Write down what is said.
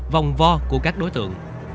vòng vo của các đối tượng